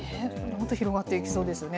本当、広がっていきそうですよね。